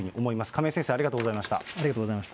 亀井先生、ありがとうございました。